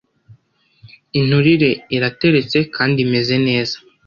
inturire irateretse kandi imeze neza